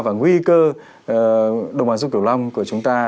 và nguy cơ đồng bằng dung kiểu long của chúng ta